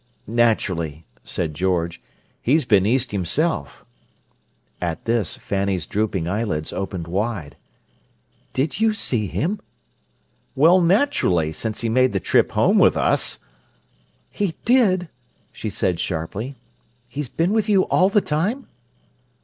"Naturally," said George. "He's been East himself." At this Fanny's drooping eyelids opened wide. "Did you see him?" "Well, naturally, since he made the trip home with us!" "He did?" she said sharply. "He's been with you all the time?"